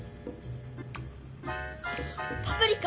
「パプリカ」